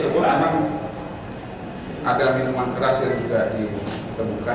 sebelum melakukan penjajatan aksi tersebut memang ada minuman keras yang juga ditemukan